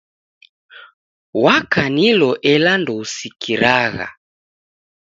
Wakanilo ela ndousikiragha.